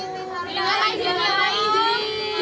selamat pagi mbak ibu